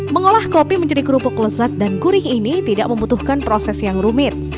mengolah kopi menjadi kerupuk lezat dan gurih ini tidak membutuhkan proses yang rumit